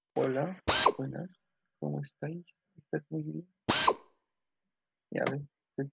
Una nueva versión estadounidense será protagonizada por Jake Gyllenhaal.